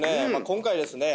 今回ですね